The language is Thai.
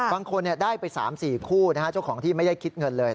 บางคนได้ไป๓๔คู่เจ้าของที่ไม่ได้คิดเงินเลย